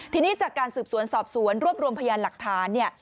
ทีนี้จากการสืบสวนสอบสวนรวบรวมพยานหลักฐานเนี่ย